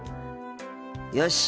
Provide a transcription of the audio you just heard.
よし。